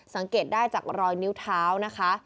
สังเกตได้จากรอยนิ้วเท้านะคะ